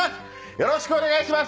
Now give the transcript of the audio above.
よろしくお願いします。